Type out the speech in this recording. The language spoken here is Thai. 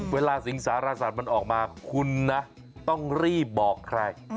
สิงสารสัตว์มันออกมาคุณนะต้องรีบบอกใคร